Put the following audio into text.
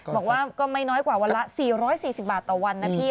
บอกว่าก็ไม่น้อยกว่าวันละ๔๔๐บาทต่อวันนะพี่